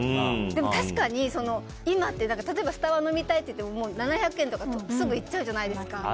でも確かに今って、例えばスタバ飲みたいっていっても７００円とかすぐいっちゃうじゃないですか。